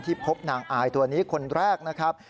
พบนางอายตัวนี้คนแรกนะครับ